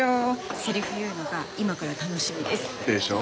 セリフ言うのが今から楽しみです。でしょ？